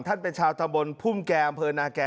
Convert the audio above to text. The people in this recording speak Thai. ท่านเป็นชาวทะมนต์ภูมิแก่อำเภอนาแก่